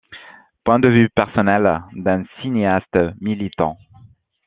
Point de vue personnel d’un cinéaste militant.